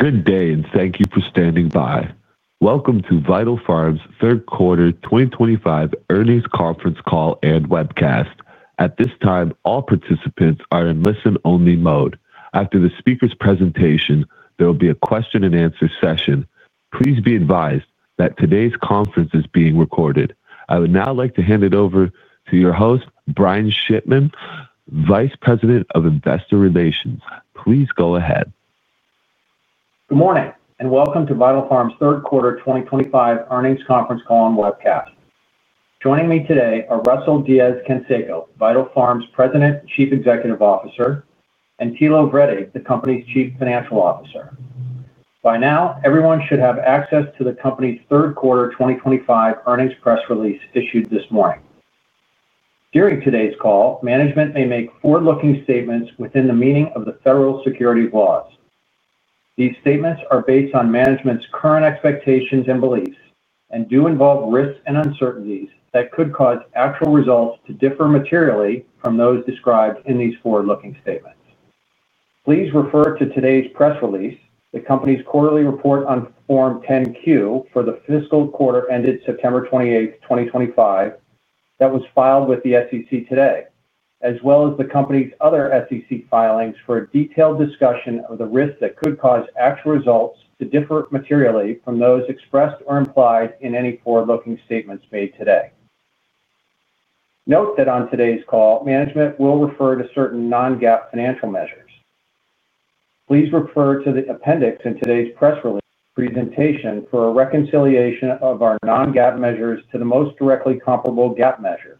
Good day, and thank you for standing by. Welcome to Vital Farms' Third Quarter 2025 Earnings conference call and webcast. At this time, all participants are in listen-only mode. After the speaker's presentation, there will be a question-and-answer session. Please be advised that today's conference is being recorded. I would now like to hand it over to your host, Brian Shipman, Vice President of Investor Relations. Please go ahead. Good morning, and welcome to Vital Farms' Third Quarter 2025 Earnings conference call and webcast. Joining me today are Russell Diez-Canseco, Vital Farms' President and Chief Executive Officer, and Thilo Wrede, the company's Chief Financial Officer. By now, everyone should have access to the company's third quarter 2025 earnings press release issued this morning. During today's call, management may make forward-looking statements within the meaning of the federal securities laws. These statements are based on management's current expectations and beliefs and do involve risks and uncertainties that could cause actual results to differ materially from those described in these forward-looking statements. Please refer to today's press release, the company's quarterly report on Form 10-Q for the fiscal quarter ended September 28, 2025, that was filed with the SEC today, as well as the company's other SEC filings for a detailed discussion of the risks that could cause actual results to differ materially from those expressed or implied in any forward-looking statements made today. Note that on today's call, management will refer to certain non-GAAP financial measures. Please refer to the appendix in today's press presentation for a reconciliation of our non-GAAP measures to the most directly comparable GAAP measures.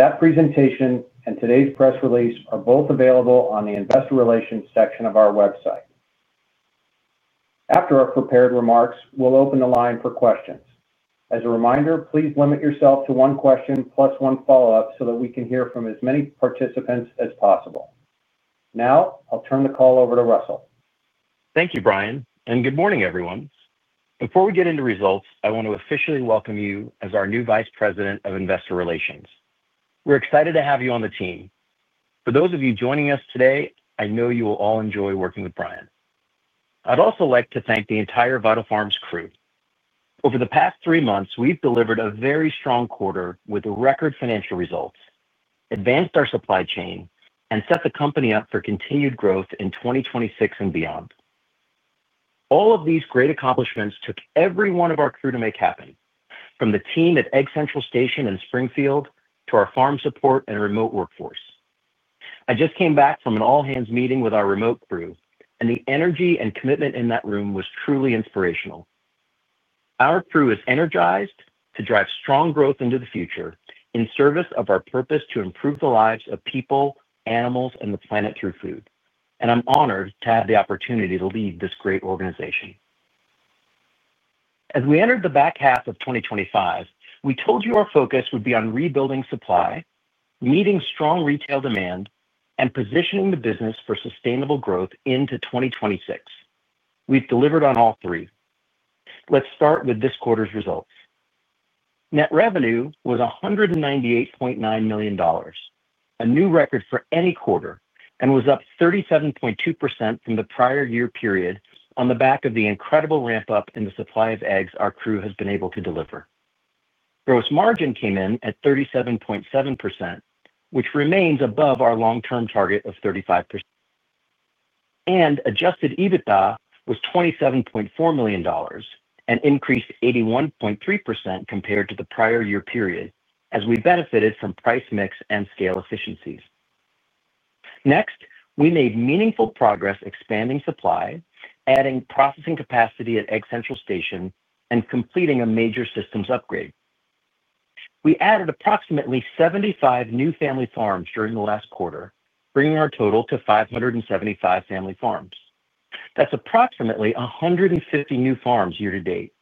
That presentation and today's press release are both available on the investor relations section of our website. After our prepared remarks, we'll open the line for questions. As a reminder, please limit yourself to one question plus one follow-up so that we can hear from as many participants as possible. Now, I'll turn the call over to Russell. Thank you, Brian, and good morning, everyone. Before we get into results, I want to officially welcome you as our new Vice President of Investor Relations. We're excited to have you on the team. For those of you joining us today, I know you will all enjoy working with Brian. I'd also like to thank the entire Vital Farms crew. Over the past three months, we've delivered a very strong quarter with record financial results, advanced our supply chain, and set the company up for continued growth in 2026 and beyond. All of these great accomplishments took every one of our crew to make happen, from the team at Egg Central Station in Springfield to our farm support and remote workforce. I just came back from an all-hands meeting with our remote crew, and the energy and commitment in that room was truly inspirational. Our crew is energized to drive strong growth into the future in service of our purpose to improve the lives of people, animals, and the planet through food, and I'm honored to have the opportunity to lead this great organization. As we entered the back half of 2025, we told you our focus would be on rebuilding supply, meeting strong retail demand, and positioning the business for sustainable growth into 2026. We've delivered on all three. Let's start with this quarter's results. Net revenue was $198.9 million, a new record for any quarter, and was up 37.2% from the prior year period on the back of the incredible ramp-up in the supply of eggs our crew has been able to deliver. Gross margin came in at 37.7%, which remains above our long-term target of 35%, and adjusted EBITDA was $27.4 million, an increase of 81.3% compared to the prior year period, as we benefited from price mix and scale efficiencies. Next, we made meaningful progress expanding supply, adding processing capacity at Egg Central Station, and completing a major systems upgrade. We added approximately 75 new family farms during the last quarter, bringing our total to 575 family farms. That's approximately 150 new farms year to date.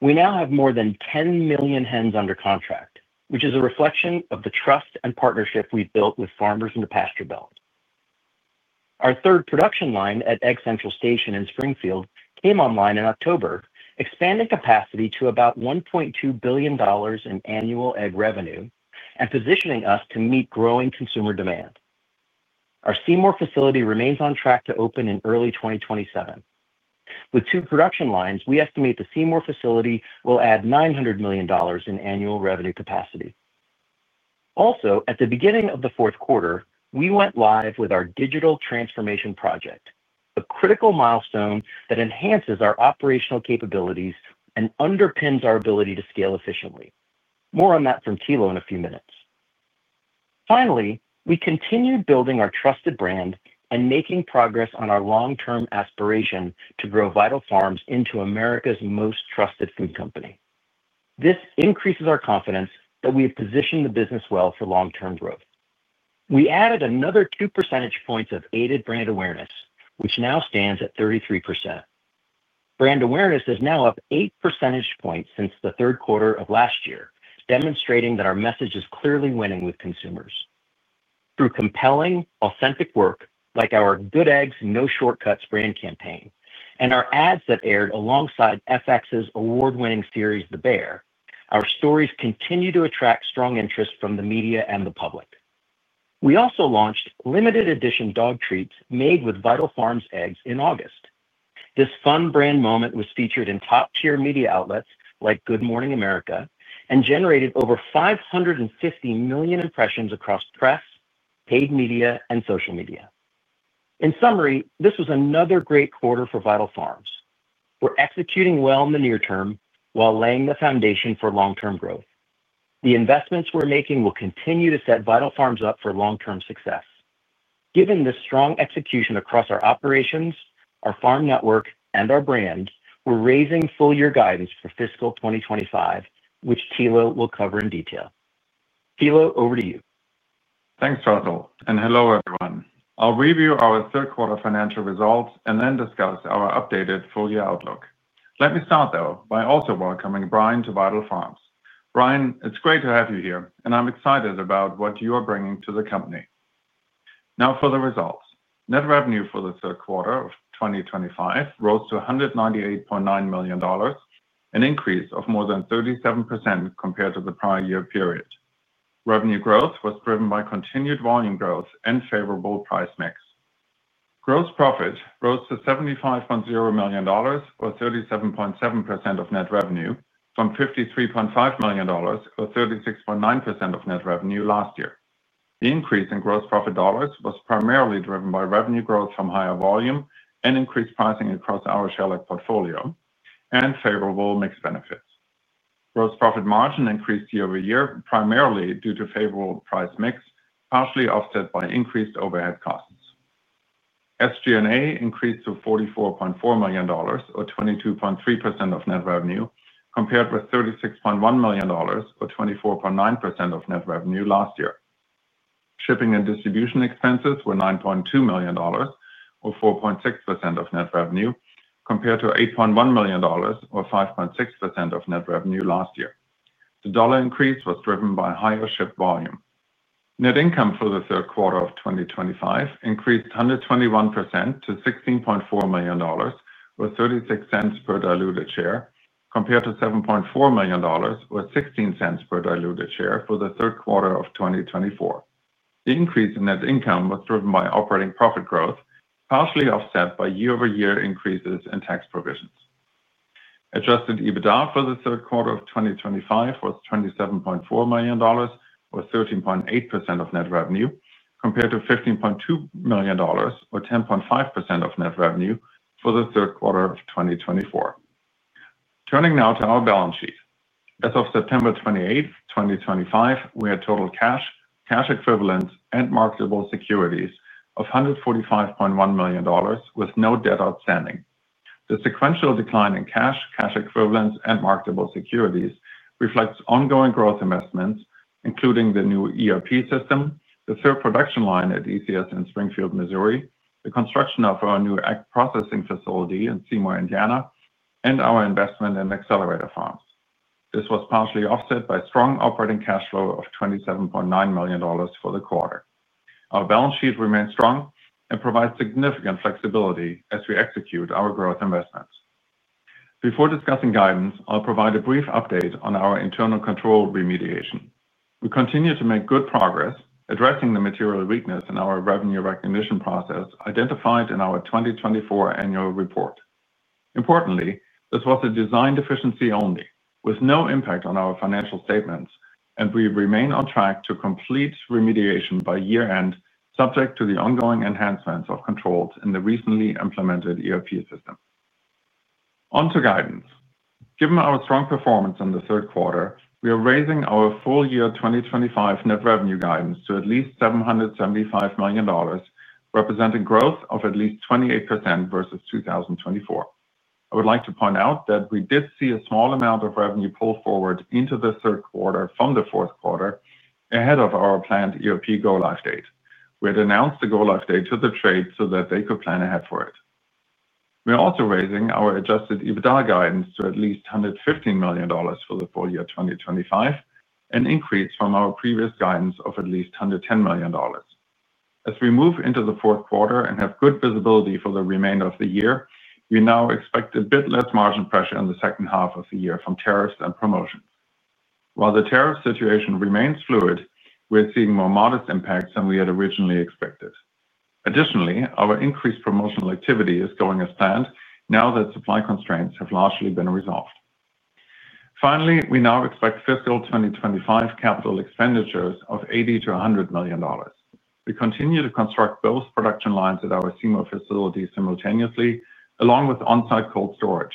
We now have more than 10 million hens under contract, which is a reflection of the trust and partnership we've built with farmers in the Pasture Belt. Our third production line at Egg Central Station in Springfield came online in October, expanding capacity to about $1.2 billion in annual egg revenue and positioning us to meet growing consumer demand. Our Seymour facility remains on track to open in early 2027. With two production lines, we estimate the Seymour facility will add $900 million in annual revenue capacity. Also, at the beginning of the fourth quarter, we went live with our digital transformation project, a critical milestone that enhances our operational capabilities and underpins our ability to scale efficiently. More on that from Thilo in a few minutes. Finally, we continued building our trusted brand and making progress on our long-term aspiration to grow Vital Farms into America's most trusted food company. This increases our confidence that we have positioned the business well for long-term growth. We added another two percentage points of aided brand awareness, which now stands at 33%. Brand awareness is now up eight percentage points since the third quarter of last year, demonstrating that our message is clearly winning with consumers. Through compelling, authentic work like our Good Eggs, No Shortcuts brand campaign and our ads that aired alongside FX's award-winning series The Bear, our stories continue to attract strong interest from the media and the public. We also launched limited edition dog treats made with Vital Farms eggs in August. This fun brand moment was featured in top-tier media outlets like Good Morning America and generated over 550 million impressions across press, paid media, and social media. In summary, this was another great quarter for Vital Farms. We're executing well in the near term while laying the foundation for long-term growth. The investments we're making will continue to set Vital Farms up for long-term success. Given this strong execution across our operations, our farm network, and our brand, we're raising full-year guidance for fiscal 2025, which Thilo will cover in detail. Thilo, over to you. Thanks, Russell, and hello, everyone. I'll review our third quarter financial results and then discuss our updated full-year outlook. Let me start, though, by also welcoming Brian to Vital Farms. Brian, it's great to have you here, and I'm excited about what you are bringing to the company. Now for the results. Net revenue for the third quarter of 2025 rose to $198.9 million, an increase of more than 37% compared to the prior year period. Revenue growth was driven by continued volume growth and favorable price mix. Gross profit rose to $75.0 million, or 37.7% of net revenue, from $53.5 million, or 36.9% of net revenue last year. The increase in gross profit dollars was primarily driven by revenue growth from higher volume and increased pricing across our shell egg portfolio and favorable mix benefits. Gross profit margin increased year over year, primarily due to favorable price mix, partially offset by increased overhead costs. SG&A increased to $44.4 million, or 22.3% of net revenue, compared with $36.1 million, or 24.9% of net revenue last year. Shipping and distribution expenses were $9.2 million, or 4.6% of net revenue, compared to $8.1 million, or 5.6% of net revenue last year. The dollar increase was driven by higher shipping volume. Net income for the third quarter of 2025 increased 121% to $16.4 million, or $0.36 per diluted share, compared to $7.4 million, or $0.16 per diluted share for the third quarter of 2024. The increase in net income was driven by operating profit growth, partially offset by year-over-year increases in tax provisions. Adjusted EBITDA for the third quarter of 2025 was $27.4 million, or 13.8% of net revenue, compared to $15.2 million, or 10.5% of net revenue for the third quarter of 2024. Turning now to our balance sheet. As of September 28, 2025, we had total cash, cash equivalents, and marketable securities of $145.1 million, with no debt outstanding. The sequential decline in cash, cash equivalents, and marketable securities reflects ongoing growth investments, including the new ERP system, the third production line at ECS in Springfield, Missouri, the construction of our new egg processing facility in Seymour, Indiana, and our investment in accelerator farms. This was partially offset by strong operating cash flow of $27.9 million for the quarter. Our balance sheet remains strong and provides significant flexibility as we execute our growth investments. Before discussing guidance, I'll provide a brief update on our internal control remediation. We continue to make good progress, addressing the material weakness in our revenue recognition process identified in our 2024 annual report. Importantly, this was a design deficiency only, with no impact on our financial statements, and we remain on track to complete remediation by year-end, subject to the ongoing enhancements of controls in the recently implemented ERP system. Onto guidance. Given our strong performance in the third quarter, we are raising our full-year 2025 net revenue guidance to at least $775 million, representing growth of at least 28% versus 2024. I would like to point out that we did see a small amount of revenue pulled forward into the third quarter from the fourth quarter ahead of our planned ERP go-live date. We had announced the go-live date to the trade so that they could plan ahead for it. We're also raising our Adjusted EBITDA guidance to at least $115 million for the full year 2025, an increase from our previous guidance of at least $110 million. As we move into the fourth quarter and have good visibility for the remainder of the year, we now expect a bit less margin pressure in the second half of the year from tariffs and promotions. While the tariff situation remains fluid, we're seeing more modest impacts than we had originally expected. Additionally, our increased promotional activity is going as planned now that supply constraints have largely been resolved. Finally, we now expect fiscal 2025 capital expenditures of $80 million-$100 million. We continue to construct both production lines at our Seymour facility simultaneously, along with on-site cold storage.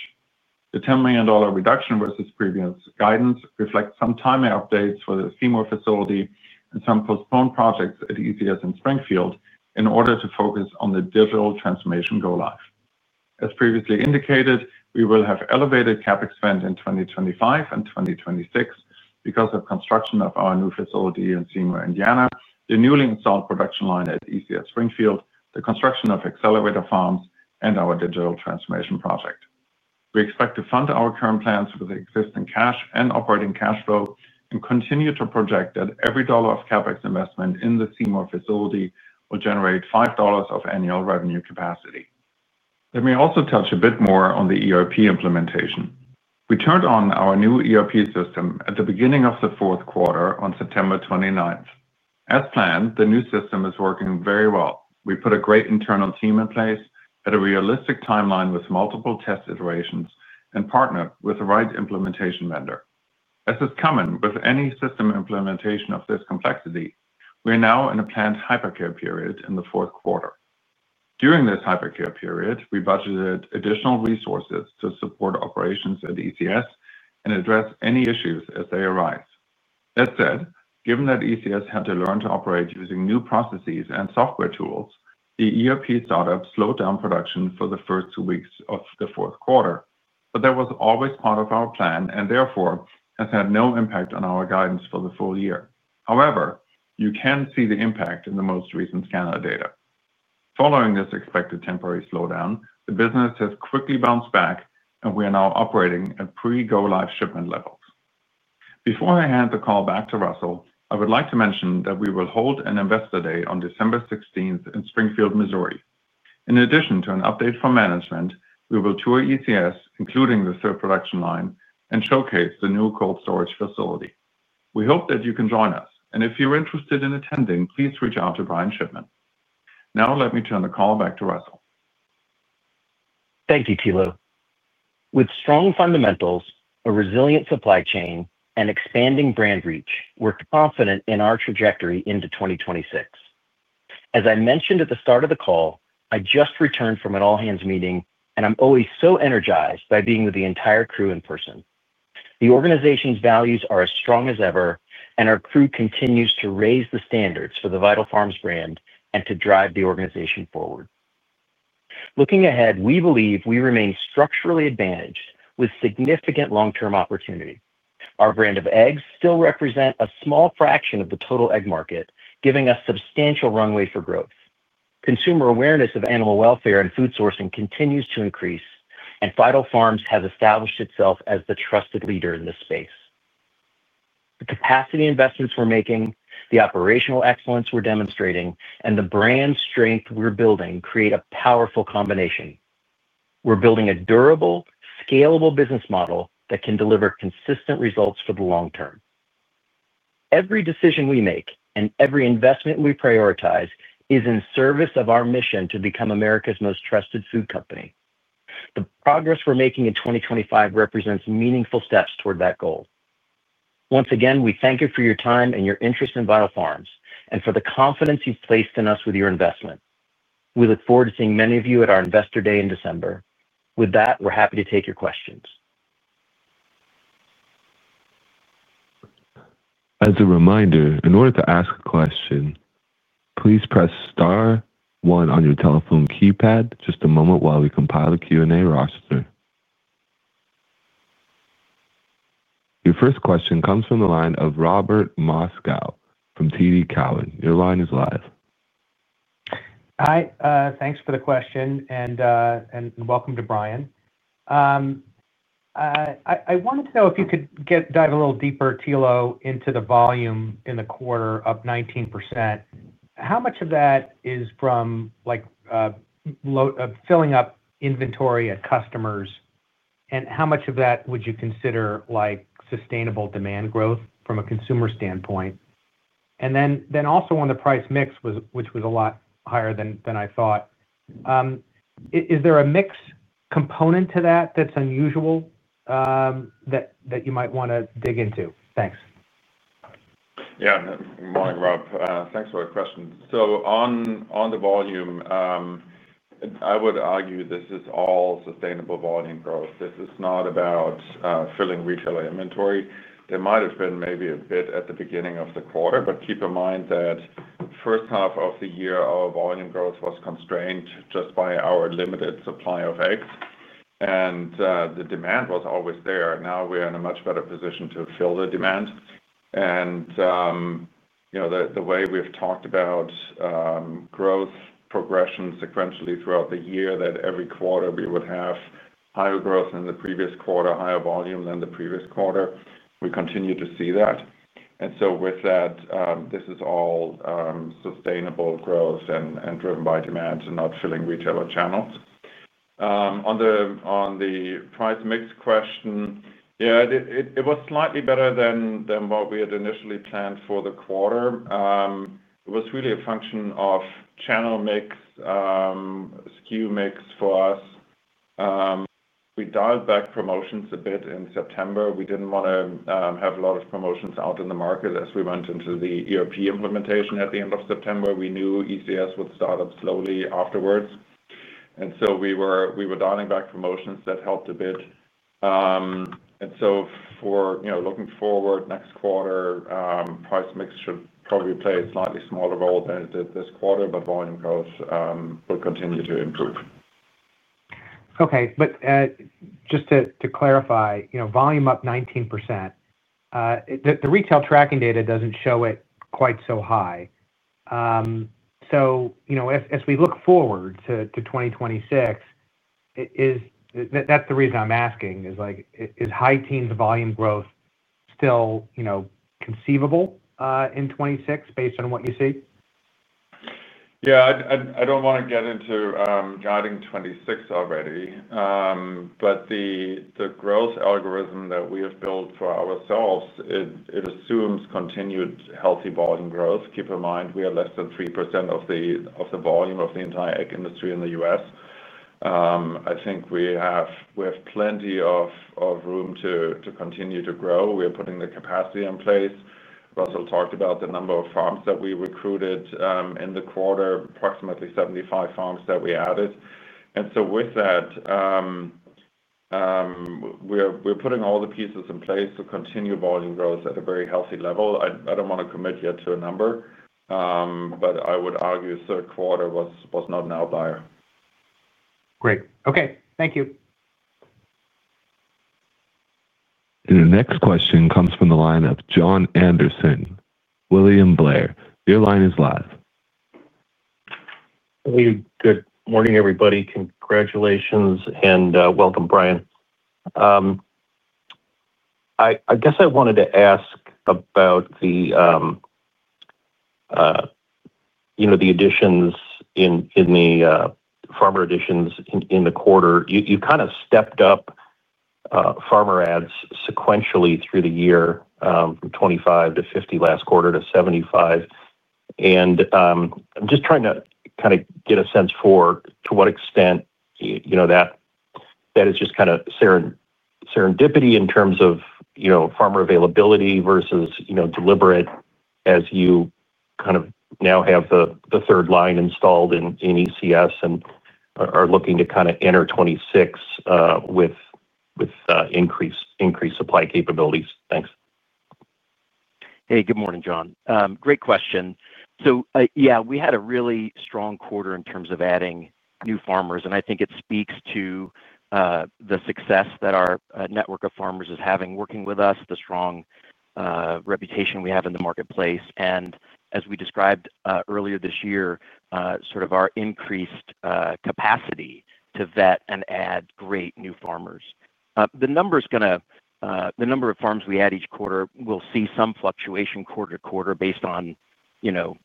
The $10 million reduction versus previous guidance reflects some timing updates for the Seymour facility and some postponed projects at ECS in Springfield in order to focus on the digital transformation go-live. As previously indicated, we will have elevated CapEx in 2025 and 2026 because of construction of our new facility in Seymour, Indiana, the newly installed production line at ECS Springfield, the construction of accelerator farms, and our digital transformation project. We expect to fund our current plans with existing cash and operating cash flow and continue to project that every dollar of CapEx investment in the Seymour facility will generate $5 of annual revenue capacity. Let me also touch a bit more on the ERP implementation. We turned on our new ERP system at the beginning of the fourth quarter on September 29. As planned, the new system is working very well. We put a great internal team in place at a realistic timeline with multiple test iterations and partnered with the right implementation vendor. As is common with any system implementation of this complexity, we are now in a planned hypercare period in the fourth quarter. During this hypercare period, we budgeted additional resources to support operations at ECS and address any issues as they arise. That said, given that ECS had to learn to operate using new processes and software tools, the ERP startup slowed down production for the first two weeks of the fourth quarter, but that was always part of our plan and therefore has had no impact on our guidance for the full year. However, you can see the impact in the most recent scanner data. Following this expected temporary slowdown, the business has quickly bounced back, and we are now operating at pre-go-live shipment levels. Before I hand the call back to Russell, I would like to mention that we will hold an investor day on December 16 in Springfield, Missouri. In addition to an update from management, we will tour ECS, including the third production line, and showcase the new cold storage facility. We hope that you can join us, and if you're interested in attending, please reach out to Brian Shipman. Now, let me turn the call back to Russell. Thank you, Thilo. With strong fundamentals, a resilient supply chain, and expanding brand reach, we're confident in our trajectory into 2026. As I mentioned at the start of the call, I just returned from an all-hands meeting, and I'm always so energized by being with the entire crew in person. The organization's values are as strong as ever, and our crew continues to raise the standards for the Vital Farms brand and to drive the organization forward. Looking ahead, we believe we remain structurally advantaged with significant long-term opportunity. Our brand of eggs still represents a small fraction of the total egg market, giving us substantial runway for growth. Consumer awareness of animal welfare and food sourcing continues to increase, and Vital Farms has established itself as the trusted leader in this space. The capacity investments we're making, the operational excellence we're demonstrating, and the brand strength we're building create a powerful combination. We're building a durable, scalable business model that can deliver consistent results for the long term. Every decision we make and every investment we prioritize is in service of our mission to become America's most trusted food company. The progress we're making in 2025 represents meaningful steps toward that goal. Once again, we thank you for your time and your interest in Vital Farms and for the confidence you've placed in us with your investment. We look forward to seeing many of you at our investor day in December. With that, we're happy to take your questions. As a reminder, in order to ask a question, please press star one on your telephone keypad. Just a moment while we compile the Q&A roster. Your first question comes from the line of Robert Moskow from TD Cowen. Your line is live. Hi. Thanks for the question, and welcome to Brian. I wanted to know if you could dive a little deeper, Thilo, into the volume in the quarter up 19%. How much of that is from filling up inventory at customers, and how much of that would you consider sustainable demand growth from a consumer standpoint? And then also on the price mix, which was a lot higher than I thought. Is there a mix component to that that's unusual that you might want to dig into? Thanks. Yeah. Good morning, Rob. Thanks for the question. So on the volume, I would argue this is all sustainable volume growth. This is not about filling retailer inventory. There might have been maybe a bit at the beginning of the quarter, but keep in mind that the first half of the year, our volume growth was constrained just by our limited supply of eggs, and the demand was always there. Now we're in a much better position to fill the demand. And the way we've talked about growth progression sequentially throughout the year, that every quarter we would have higher growth than the previous quarter, higher volume than the previous quarter, we continue to see that. And so with that, this is all sustainable growth and driven by demand and not filling retailer channels. On the price mix question, yeah, it was slightly better than what we had initially planned for the quarter. It was really a function of channel mix, SKU mix for us. We dialed back promotions a bit in September. We didn't want to have a lot of promotions out in the market as we went into the ERP implementation at the end of September. We knew ECS would start up slowly afterwards. And so we were dialing back promotions that helped a bit. And so for looking forward next quarter, price mix should probably play a slightly smaller role than it did this quarter, but volume growth will continue to improve. Okay. But just to clarify, volume up 19%. The retail tracking data doesn't show it quite so high. So as we look forward to 2026. That's the reason I'm asking, is high-teens volume growth still conceivable in 2026 based on what you see? Yeah. I don't want to get into guiding 2026 already, but the growth algorithm that we have built for ourselves, it assumes continued healthy volume growth. Keep in mind, we are less than 3% of the volume of the entire egg industry in the U.S. I think we have plenty of room to continue to grow. We are putting the capacity in place. Russell talked about the number of farms that we recruited in the quarter, approximately 75 farms that we added. And so with that. We're putting all the pieces in place to continue volume growth at a very healthy level. I don't want to commit yet to a number. But I would argue the third quarter was not an outlier. Great. Okay. Thank you. The next question comes from the line of Jon Andersen, William Blair. Your line is live. Good morning, everybody. Congratulations and welcome, Brian. I guess I wanted to ask about the farmer additions in the quarter. You kind of stepped up farmer adds sequentially through the year from 25 to 50 last quarter to 75. And I'm just trying to kind of get a sense for to what extent that is just kind of serendipity in terms of farmer availability versus deliberate as you kind of now have the third line installed in ECS and are looking to kind of enter 2026 with increased supply capabilities. Thanks. Hey, good morning, Jon. Great question. So yeah, we had a really strong quarter in terms of adding new farmers, and I think it speaks to the success that our network of farmers is having working with us, the strong reputation we have in the marketplace, and as we described earlier this year, sort of our increased capacity to vet and add great new farmers. The number of farms we add each quarter, we'll see some fluctuation quarter-to-quarter based on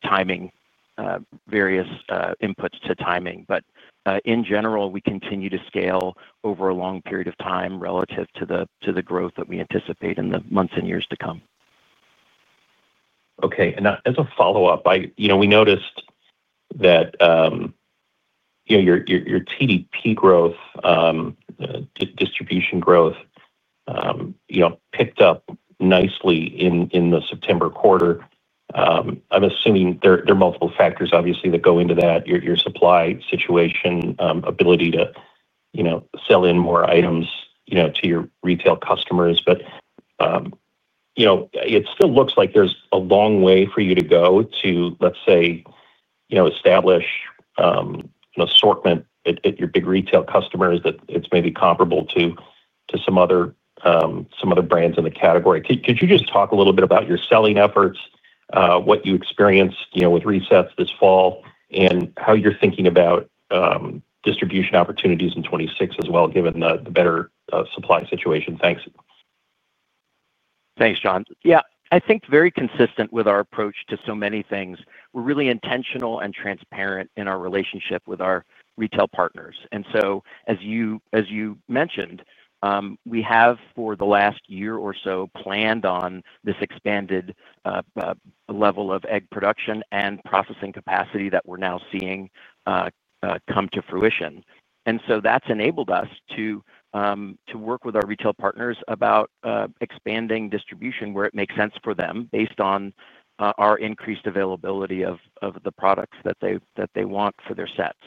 timing, various inputs to timing. But in general, we continue to scale over a long period of time relative to the growth that we anticipate in the months and years to come. Okay. And as a follow-up, we noticed that your TDP growth, distribution growth, picked up nicely in the September quarter. I'm assuming there are multiple factors, obviously, that go into that: your supply situation, ability to sell in more items to your retail customers. But it still looks like there's a long way for you to go to, let's say, establish an assortment at your big retail customers that it's maybe comparable to some other brands in the category. Could you just talk a little bit about your selling efforts, what you experienced with resets this fall, and how you're thinking about distribution opportunities in '26 as well, given the better supply situation? Thanks. Thanks, Jon. Yeah. I think very consistent with our approach to so many things. We're really intentional and transparent in our relationship with our retail partners. And so, as you mentioned, we have for the last year or so planned on this expanded level of egg production and processing capacity that we're now seeing come to fruition. And so that's enabled us to work with our retail partners about expanding distribution where it makes sense for them based on our increased availability of the products that they want for their sets.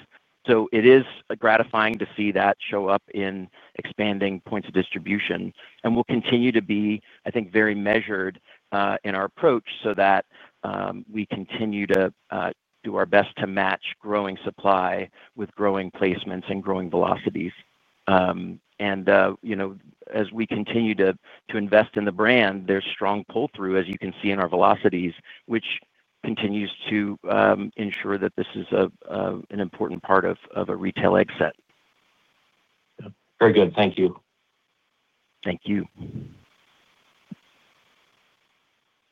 So it is gratifying to see that show up in expanding points of distribution. And we'll continue to be, I think, very measured in our approach so that we continue to do our best to match growing supply with growing placements and growing velocities. And as we continue to invest in the brand, there's strong pull-through, as you can see in our velocities, which continues to ensure that this is an important part of a retail egg set. Very good. Thank you. Thank you.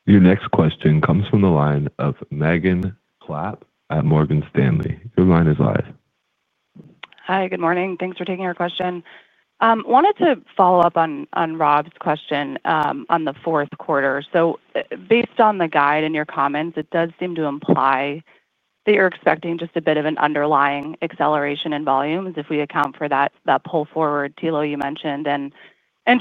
Your next question comes from the line of Megan Clapp at Morgan Stanley. Your line is live. Hi. Good morning. Thanks for taking our question. Wanted to follow up on Rob's question on the fourth quarter. So based on the guide and your comments, it does seem to imply that you're expecting just a bit of an underlying acceleration in volumes if we account for that pull forward, Thilo, you mentioned, and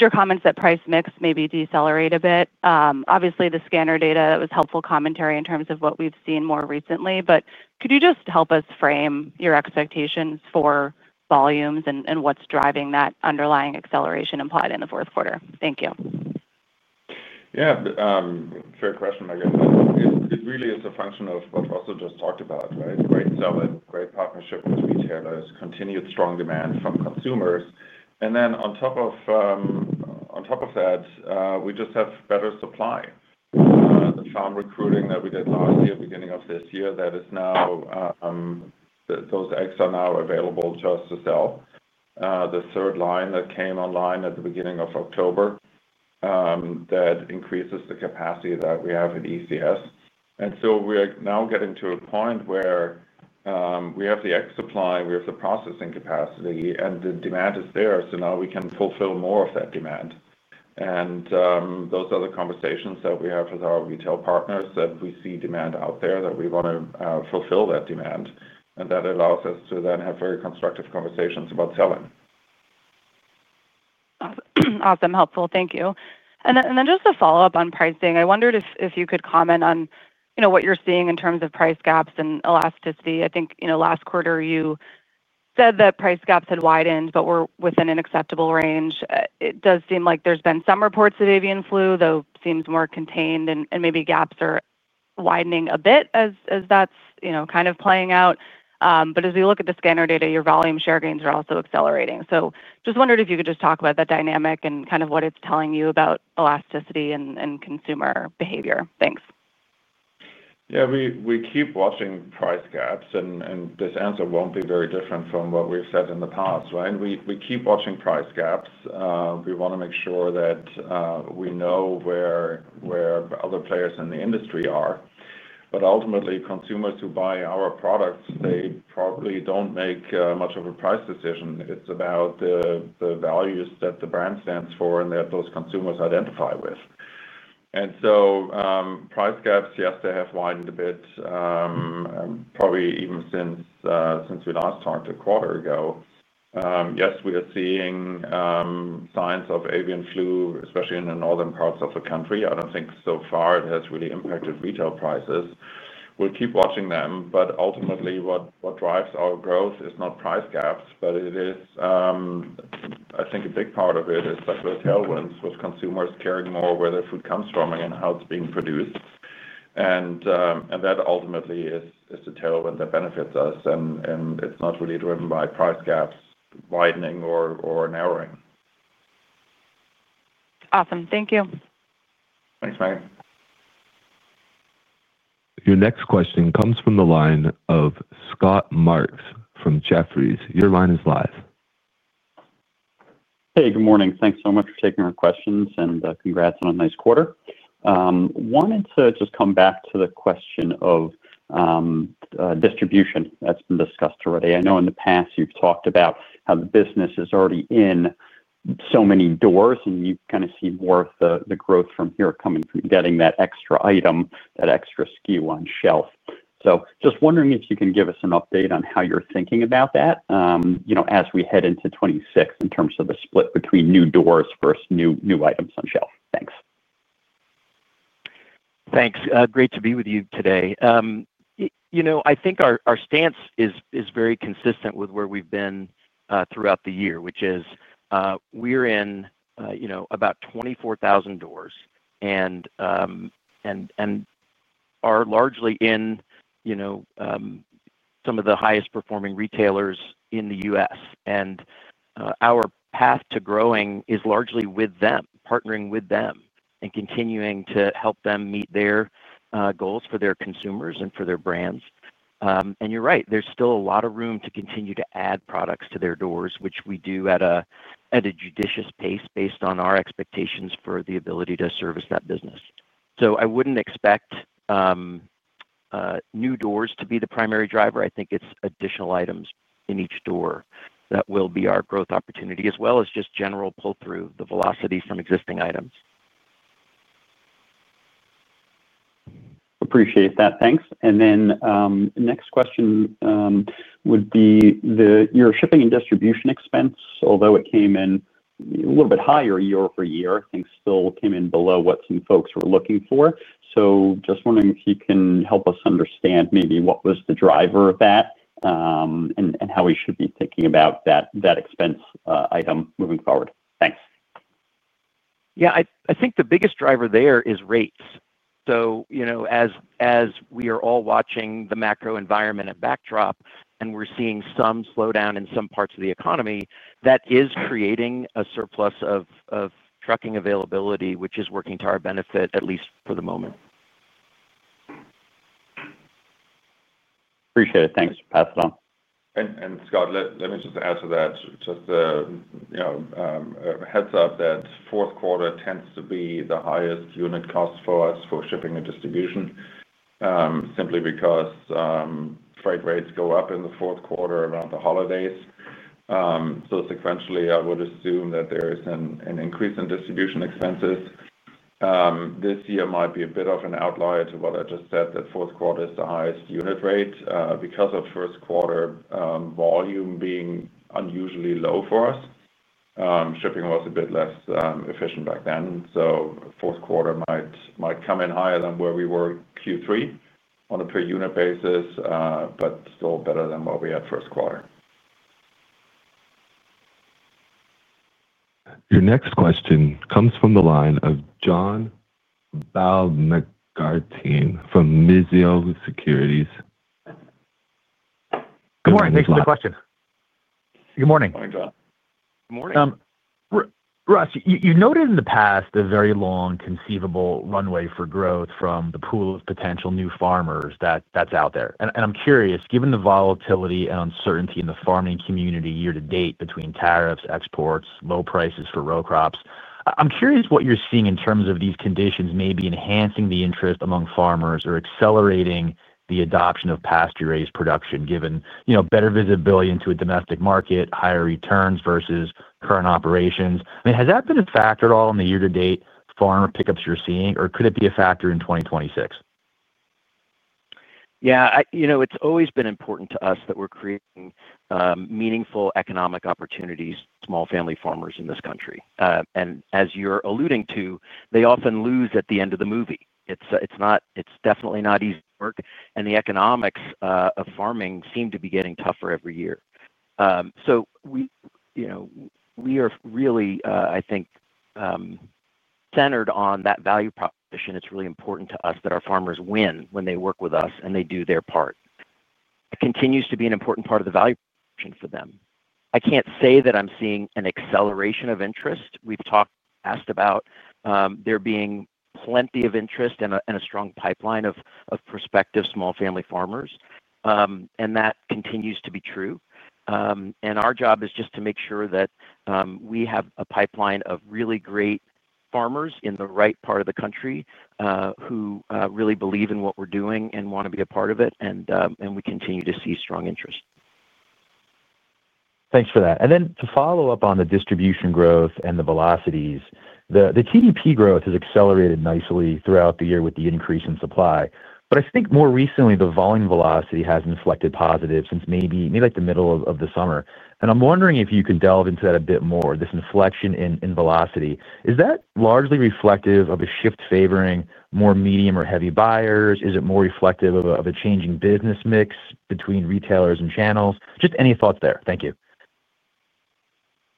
your comments that price mix maybe decelerate a bit. Obviously, the scanner data was helpful commentary in terms of what we've seen more recently. But could you just help us frame your expectations for volumes and what's driving that underlying acceleration implied in the fourth quarter? Thank you. Yeah. Fair question, Megan. It really is a function of what Russell just talked about, right? Great selling, great partnership with retailers, continued strong demand from consumers. And then on top of that, we just have better supply. The farm recruiting that we did last year, beginning of this year, that is now. Those eggs are now available just to sell. The third line that came online at the beginning of October. That increases the capacity that we have in ECS. And so we're now getting to a point where. We have the egg supply, we have the processing capacity, and the demand is there. So now we can fulfill more of that demand. And those are the conversations that we have with our retail partners that we see demand out there that we want to fulfill that demand. And that allows us to then have very constructive conversations about selling. Awesome. Helpful. Thank you. And then just a follow-up on pricing. I wondered if you could comment on what you're seeing in terms of price gaps and elasticity. I think last quarter, you said that price gaps had widened, but were within an acceptable range. It does seem like there's been some reports of avian flu, though it seems more contained, and maybe gaps are widening a bit as that's kind of playing out. But as we look at the scanner data, your volume share gains are also accelerating. So just wondered if you could just talk about that dynamic and kind of what it's telling you about elasticity and consumer behavior. Thanks. Yeah. We keep watching price gaps, and this answer won't be very different from what we've said in the past, right? We keep watching price gaps. We want to make sure that we know where other players in the industry are. But ultimately, consumers who buy our products, they probably don't make much of a price decision. It's about the values that the brand stands for and that those consumers identify with. And so, price gaps, yes, they have widened a bit, probably even since we last talked a quarter ago. Yes, we are seeing signs of avian flu, especially in the northern parts of the country. I don't think so far it has really impacted retail prices. We'll keep watching them. But ultimately, what drives our growth is not price gaps, but it is, I think, a big part of it is the tailwinds with consumers caring more where their food comes from and how it's being produced. And that ultimately is the tailwind that benefits us. And it's not really driven by price gaps widening or narrowing. Awesome. Thank you. Thanks, Megan. Your next question comes from the line of Scott Marks from Jefferies. Your line is live. Hey, good morning. Thanks so much for taking our questions and congrats on a nice quarter. Wanted to just come back to the question of distribution that's been discussed already. I know in the past, you've talked about how the business is already in so many doors, and you kind of see more of the growth from here coming from getting that extra item, that extra SKU on shelf. So just wondering if you can give us an update on how you're thinking about that as we head into 2026 in terms of the split between new doors versus new items on shelf. Thanks. Thanks. Great to be with you today. I think our stance is very consistent with where we've been throughout the year, which is we're in about 24,000 doors and are largely in some of the highest-performing retailers in the U.S. And our path to growing is largely with them, partnering with them, and continuing to help them meet their goals for their consumers and for their brands. And you're right. There's still a lot of room to continue to add products to their doors, which we do at a judicious pace based on our expectations for the ability to service that business. So I wouldn't expect new doors to be the primary driver. I think it's additional items in each door that will be our growth opportunity, as well as just general pull-through, the velocity from existing items. Appreciate that. Thanks. And then next question. Would be your shipping and distribution expense, although it came in a little bit higher year-over-year. Things still came in below what some folks were looking for. So just wondering if you can help us understand maybe what was the driver of that. And how we should be thinking about that expense item moving forward. Thanks. Yeah. I think the biggest driver there is rates. So as we are all watching the macro environment and backdrop, and we're seeing some slowdown in some parts of the economy, that is creating a surplus of trucking availability, which is working to our benefit, at least for the moment. Appreciate it. Thanks for passing on. And Scott, let me just add to that, just a heads-up that fourth quarter tends to be the highest unit cost for us for shipping and distribution. Simply because freight rates go up in the fourth quarter around the holidays. So sequentially, I would assume that there is an increase in distribution expenses. This year might be a bit of an outlier to what I just said, that fourth quarter is the highest unit rate because of first quarter volume being unusually low for us. Shipping was a bit less efficient back then. So fourth quarter might come in higher than where we were Q3 on a per-unit basis, but still better than what we had first quarter. Your next question comes from the line of John Balsam from Mizuho Securities. Good morning. Thanks for the question. Good morning. Morning, John. Good morning. Russell, you noted in the past a very long conceivable runway for growth from the pool of potential new farmers that's out there. And I'm curious, given the volatility and uncertainty in the farming community year-to-date between tariffs, exports, low prices for row crops. I'm curious what you're seeing in terms of these conditions may be enhancing the interest among farmers or accelerating the adoption of pasture-raised production, given better visibility into a domestic market, higher returns versus current operations. I mean, has that been a factor at all in the year-to-date farmer pickups you're seeing, or could it be a factor in 2026? Yeah. It's always been important to us that we're creating meaningful economic opportunities for small family farmers in this country. And as you're alluding to, they often lose at the end of the movie. It's definitely not easy work. And the economics of farming seem to be getting tougher every year. So, we are really, I think, centered on that value proposition. It's really important to us that our farmers win when they work with us and they do their part. It continues to be an important part of the value proposition for them. I can't say that I'm seeing an acceleration of interest. We've talked in the past about there being plenty of interest and a strong pipeline of prospective small family farmers. And that continues to be true. And our job is just to make sure that we have a pipeline of really great farmers in the right part of the country who really believe in what we're doing and want to be a part of it. And we continue to see strong interest. Thanks for that, and then to follow up on the distribution growth and the velocities, the TDP growth has accelerated nicely throughout the year with the increase in supply, but I think more recently, the volume velocity has inflected positive since maybe the middle of the summer, and I'm wondering if you can delve into that a bit more, this inflection in velocity. Is that largely reflective of a shift favoring more medium or heavy buyers? Is it more reflective of a changing business mix between retailers and channels? Just any thoughts there? Thank you.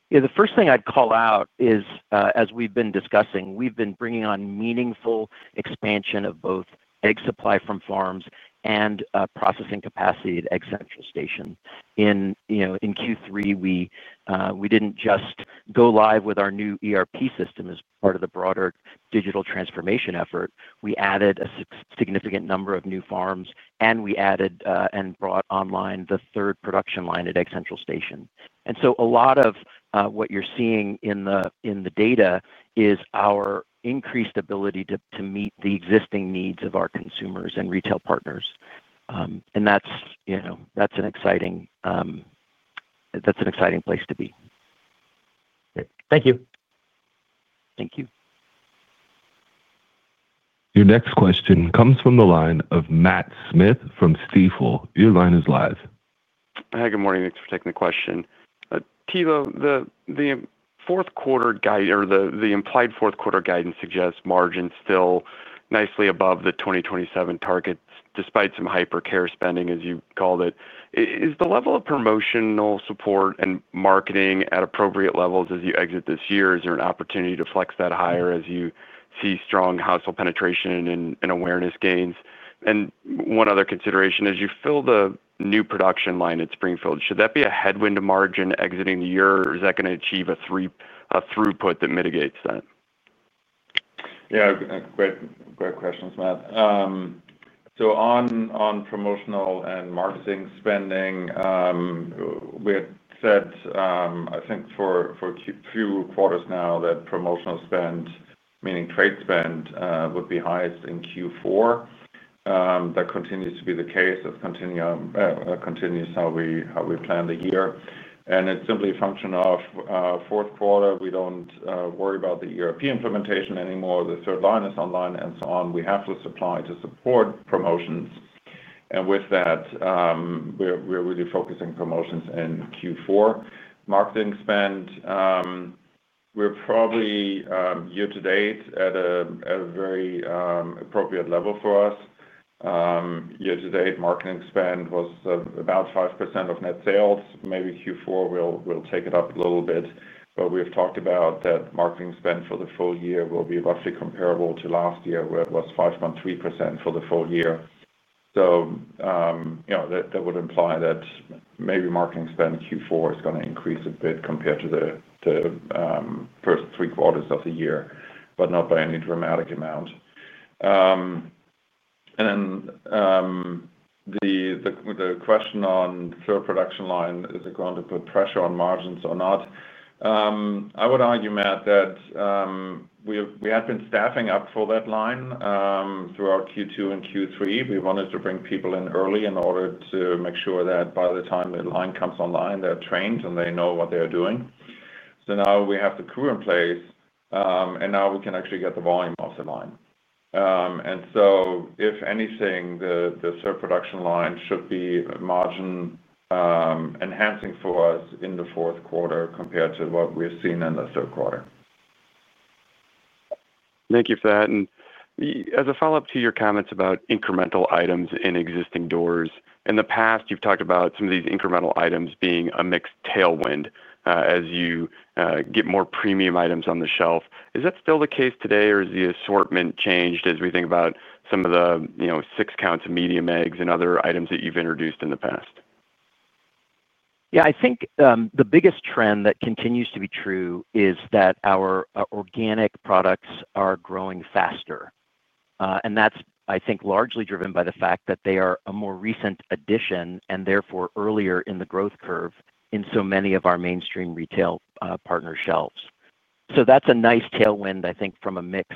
Yeah. The first thing I'd call out is, as we've been discussing, we've been bringing on meaningful expansion of both egg supply from farms and processing capacity at Egg Central Station. In Q3, we didn't just go live with our new ERP system as part of the broader digital transformation effort. We added a significant number of new farms, and we added and brought online the third production line at Egg Central Station. And so a lot of what you're seeing in the data is our increased ability to meet the existing needs of our consumers and retail partners. And that's an exciting place to be. Great. Thank you. Thank you. Your next question comes from the line of Matt Smith from Stifel. Your line is live. Hi. Good morning. Thanks for taking the question. Thilo, the fourth quarter guide or the implied fourth quarter guidance suggests margins still nicely above the 2027 targets despite some hypercare spending, as you called it. Is the level of promotional support and marketing at appropriate levels as you exit this year? Is there an opportunity to flex that higher as you see strong household penetration and awareness gains? And one other consideration, as you fill the new production line at Springfield, should that be a headwind to margin exiting the year? Or is that going to achieve a throughput that mitigates that? Yeah. Great questions, Matt. So on promotional and marketing spending. We had said, I think, for a few quarters now that promotional spend, meaning trade spend, would be highest in Q4. That continues to be the case. That continues how we plan the year. It's simply a function of fourth quarter. We don't worry about the ERP implementation anymore. The third line is online and so on. We have the supply to support promotions. And with that, we're really focusing promotions in Q4. Marketing spend. We're probably year to date at a very appropriate level for us. Year to date, marketing spend was about 5% of net sales. Maybe Q4, we'll take it up a little bit. We have talked about that marketing spend for the full year will be roughly comparable to last year, where it was 5.3% for the full year. That would imply that maybe marketing spend Q4 is going to increase a bit compared to the first three quarters of the year, but not by any dramatic amount. Then, the question on third production line, is it going to put pressure on margins or not? I would argue, Matt, that we had been staffing up for that line throughout Q2 and Q3. We wanted to bring people in early in order to make sure that by the time the line comes online, they're trained and they know what they're doing. So now we have the crew in place, and now we can actually get the volume off the line. If anything, the third production line should be margin enhancing for us in the fourth quarter compared to what we've seen in the third quarter. Thank you for that, and as a follow-up to your comments about incremental items in existing doors, in the past, you've talked about some of these incremental items being a mixed tailwind as you get more premium items on the shelf. Is that still the case today, or has the assortment changed as we think about some of the six counts of medium eggs and other items that you've introduced in the past? Yeah. I think the biggest trend that continues to be true is that our organic products are growing faster. And that's, I think, largely driven by the fact that they are a more recent addition and therefore earlier in the growth curve in so many of our mainstream retail partner shelves. So that's a nice tailwind, I think, from a mix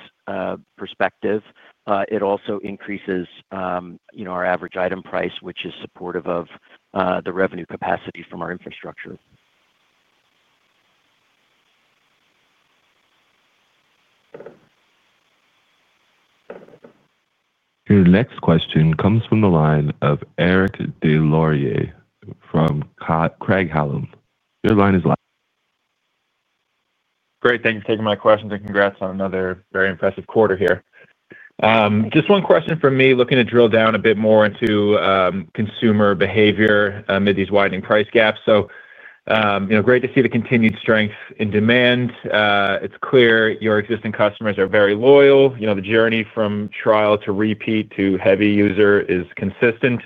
perspective. It also increases our average item price, which is supportive of the revenue capacity from our infrastructure. Your next question comes from the line of Eric Des Lauriers from Craig-Hallum. Your line is live. Great. Thank you for taking my questions and congrats on another very impressive quarter here. Just one question for me, looking to drill down a bit more into consumer behavior amid these widening price gaps. So, great to see the continued strength in demand. It's clear your existing customers are very loyal. The journey from trial to repeat to heavy user is consistent,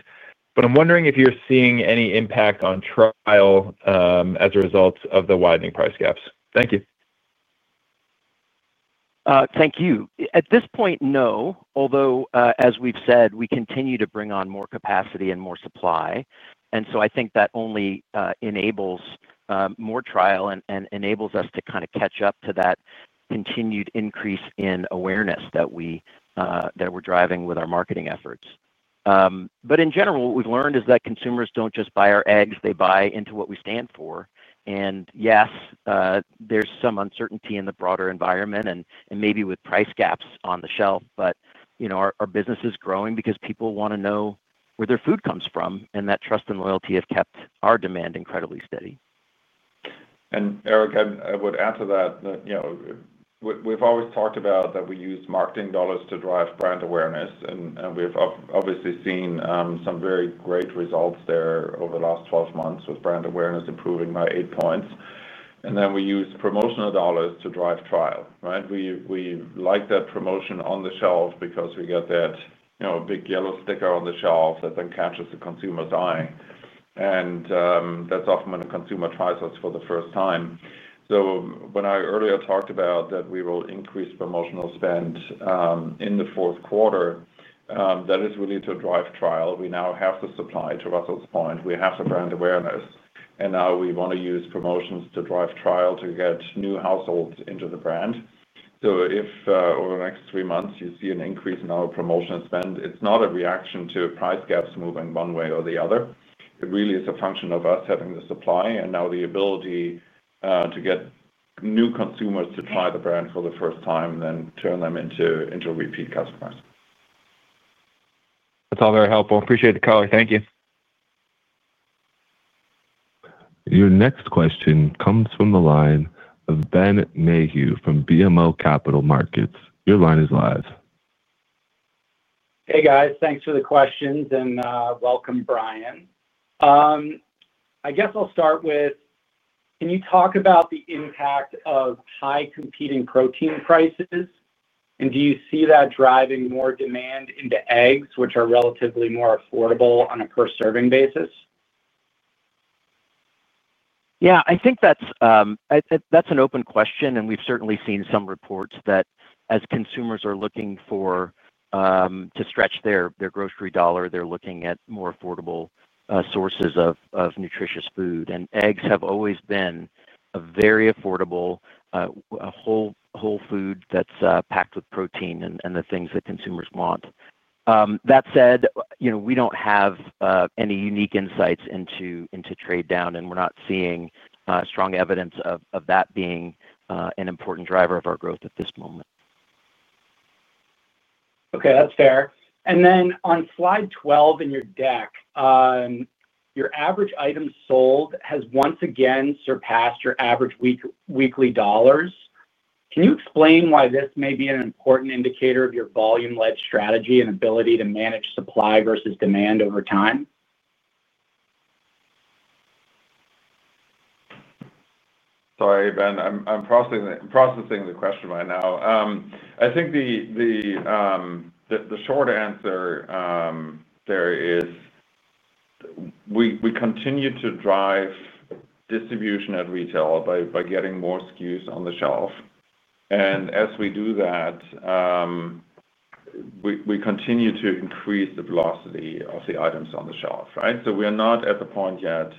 but I'm wondering if you're seeing any impact on trial as a result of the widening price gaps. Thank you. Thank you. At this point, no. Although, as we've said, we continue to bring on more capacity and more supply. And so I think that only enables more trial and enables us to kind of catch up to that continued increase in awareness that we're driving with our marketing efforts. But in general, what we've learned is that consumers don't just buy our eggs. They buy into what we stand for. And yes. There's some uncertainty in the broader environment and maybe with price gaps on the shelf. But our business is growing because people want to know where their food comes from, and that trust and loyalty have kept our demand incredibly steady. And Eric, I would add to that. We've always talked about that we use marketing dollars to drive brand awareness. And we've obviously seen some very great results there over the last 12 months with brand awareness improving by eight points. And then we use promotional dollars to drive trial, right? We like that promotion on the shelf because we get that big yellow sticker on the shelf that then catches the consumer's eye. And that's often when a consumer tries us for the first time. So when I earlier talked about that we will increase promotional spend in the fourth quarter, that is really to drive trial. We now have the supply to Russell's point. We have the brand awareness. And now we want to use promotions to drive trial to get new households into the brand. So if over the next three months, you see an increase in our promotional spend, it's not a reaction to price gaps moving one way or the other. It really is a function of us having the supply and now the ability to get new consumers to try the brand for the first time and then turn them into repeat customers. That's all very helpful. Appreciate the call. Thank you. Your next question comes from the line of Ben Mayhew from BMO Capital Markets. Your line is live. Hey, guys. Thanks for the questions and welcome, Brian. I guess I'll start with. Can you talk about the impact of high competing protein prices? And do you see that driving more demand into eggs, which are relatively more affordable on a per-serving basis? Yeah. I think that's an open question, and we've certainly seen some reports that as consumers are looking to stretch their grocery dollar, they're looking at more affordable sources of nutritious food, and eggs have always been a very affordable whole food that's packed with protein and the things that consumers want. That said, we don't have any unique insights into trade down, and we're not seeing strong evidence of that being an important driver of our growth at this moment. Okay. That's fair. And then on slide 12 in your deck. Your average item sold has once again surpassed your average weekly dollars. Can you explain why this may be an important indicator of your volume-led strategy and ability to manage supply versus demand over time? Sorry, Ben. I'm processing the question right now. I think the short answer is we continue to drive distribution at retail by getting more SKUs on the shelf, and as we do that we continue to increase the velocity of the items on the shelf, right? So we are not at the point yet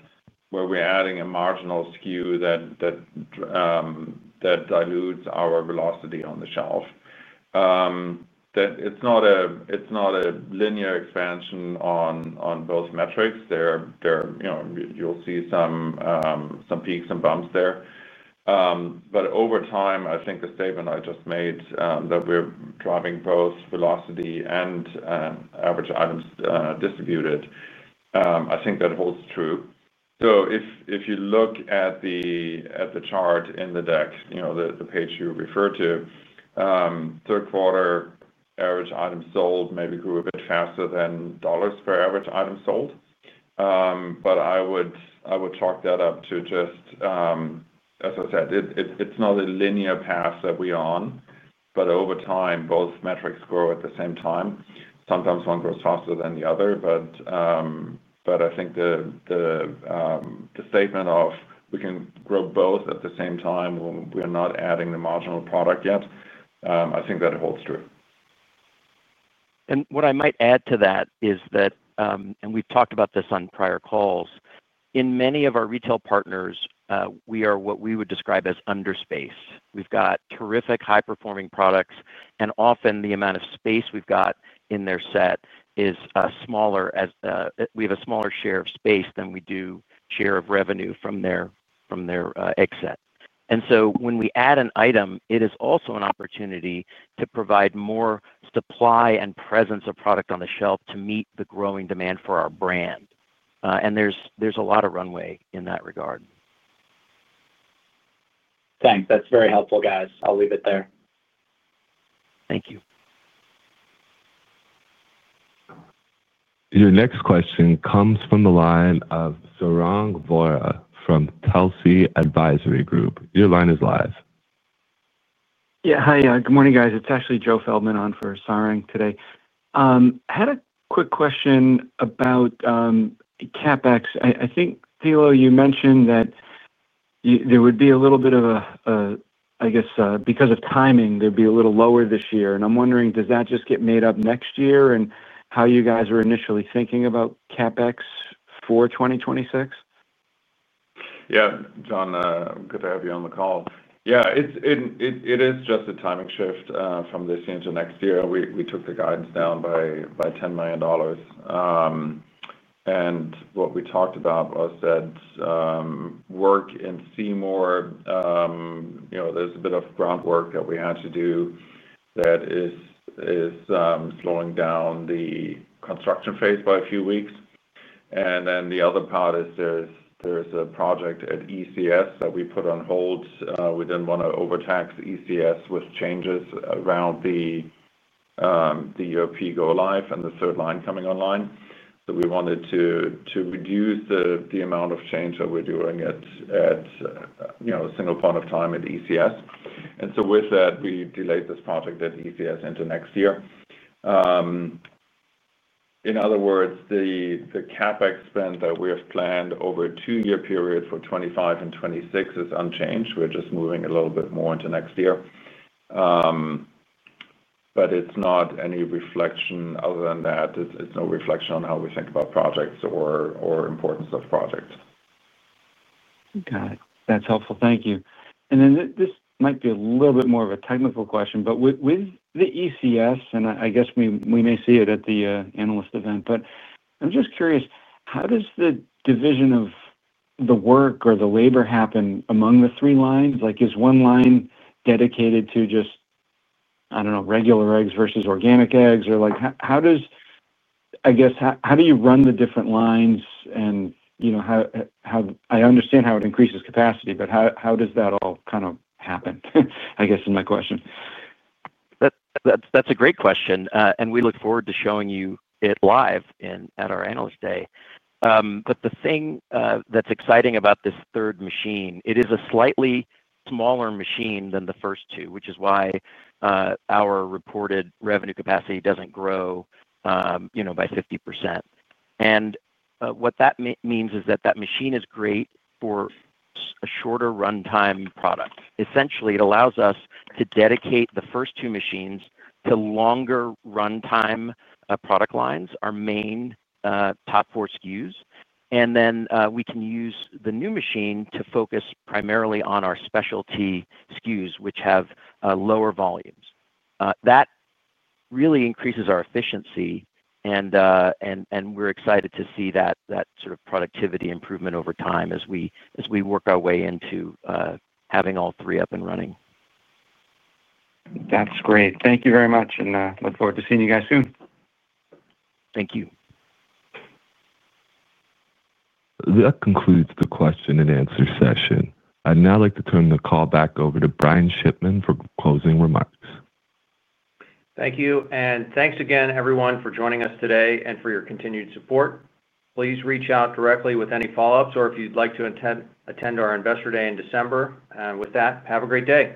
where we're adding a marginal SKU that dilutes our velocity on the shelf. It's not a linear expansion on both metrics. You'll see some peaks and bumps there, but over time I think the statement I just made that we're driving both velocity and average items distributed I think that holds true, so if you look at the chart in the deck, the page you refer to, third quarter average items sold maybe grew a bit faster than dollars per average item sold, but I would talk that up to just, as I said, it's not a linear path that we are on, but over time both metrics grow at the same time. Sometimes one grows faster than the other, but I think the statement of we can grow both at the same time when we are not adding the marginal product yet I think that holds true. And what I might add to that is that, and we've talked about this on prior calls, in many of our retail partners, we are what we would describe as under space. We've got terrific high-performing products. And often the amount of space we've got in their set is smaller as we have a smaller share of space than we do share of revenue from their egg set. And so when we add an item, it is also an opportunity to provide more supply and presence of product on the shelf to meet the growing demand for our brand. And there's a lot of runway in that regard. Thanks. That's very helpful, guys. I'll leave it there. Thank you. Your next question comes from the line of Sarang Vora from Telsey Advisory Group. Your line is live. Yeah. Hi. Good morning, guys. It's actually Joe Feldman on for Sarang today. I had a quick question about CapEx. I think, Thilo, you mentioned that. There would be a little bit of a, I guess, because of timing, there'd be a little lower this year. And I'm wondering, does that just get made up next year and how you guys were initially thinking about CapEx for 2026? Yeah. Joe, good to have you on the call. Yeah. It is just a timing shift from this year into next year. We took the guidance down by $10 million. And what we talked about was that. Work in Seymour. There's a bit of groundwork that we had to do. That is slowing down the construction phase by a few weeks. And then the other part is there's a project at ECS that we put on hold. We didn't want to overtax ECS with changes around the ERP go live and the third line coming online. So we wanted to reduce the amount of change that we're doing at a single point of time at ECS. And so with that, we delayed this project at ECS into next year. In other words, the CapEx spend that we have planned over a two-year period for 2025 and 2026 is unchanged. We're just moving a little bit more into next year. But it's not any reflection other than that. It's no reflection on how we think about projects or importance of projects. Got it. That's helpful. Thank you and then this might be a little bit more of a technical question, but with the ECS, and I guess we may see it at the analyst event, but I'm just curious, how does the division of the work or the labor happen among the three lines? Is one line dedicated to just, I don't know, regular eggs versus organic eggs? Or how does, I guess, how do you run the different lines? And I understand how it increases capacity, but how does that all kind of happen, I guess, is my question. That's a great question. And we look forward to showing you it live at our analyst day. But the thing that's exciting about this third machine, it is a slightly smaller machine than the first two, which is why our reported revenue capacity doesn't grow by 50%. And what that means is that that machine is great for a shorter runtime product. Essentially, it allows us to dedicate the first two machines to longer runtime product lines, our main top four SKUs. And then we can use the new machine to focus primarily on our specialty SKUs, which have lower volumes. That really increases our efficiency, and we're excited to see that sort of productivity improvement over time as we work our way into having all three up and running. That's great. Thank you very much. And I look forward to seeing you guys soon. Thank you. That concludes the question and answer session. I'd now like to turn the call back over to Brian Shipman for closing remarks. Thank you. And thanks again, everyone, for joining us today and for your continued support. Please reach out directly with any follow-ups or if you'd like to attend our investor day in December. And with that, have a great day.